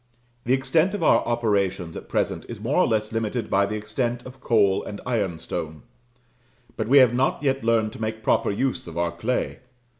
The extent of our operations at present is more or less limited by the extent of coal and ironstone, but we have not yet learned to make proper use of our clay.